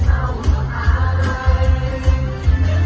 สวัสดีครับ